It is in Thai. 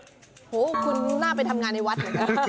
โหคุณน่าไปทำงานในวัดเหรอ